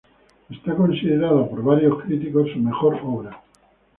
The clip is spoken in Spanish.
Es considerada por varios críticos su mejor obra.